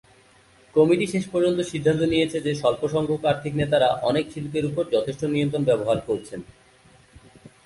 Committee শেষ পর্যন্ত সিদ্ধান্ত নিয়েছে যে স্বল্প সংখ্যক আর্থিক নেতারা অনেক শিল্পের উপর যথেষ্ট নিয়ন্ত্রণ ব্যবহার করছেন।